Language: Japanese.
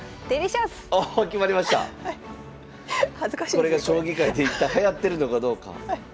これが将棋界で一体はやってるのかどうか。